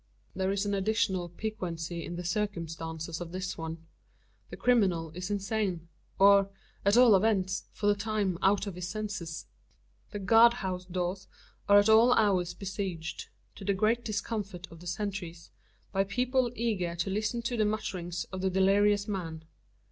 There is an additional piquancy in the circumstances of this one. The criminal is insane; or, at all events, for the time out of his senses. The guard house doors are at all hours besieged to the great discomfort of the sentries by people eager to listen to the mutterings of the delirious man.